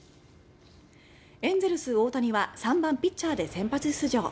エンゼルス、大谷は３番ピッチャーで先発出場。